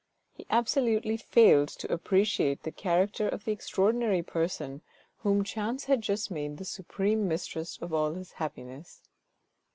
He absolutely failed to appreciate the character of the extraordinary person whom chance had just made the supreme mistress of all his happiness.